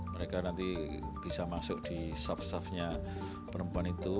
mereka nanti bisa masuk di staff staffnya perempuan itu